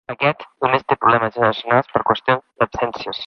Aquest només té problemes generacionals per qüestions d'absències.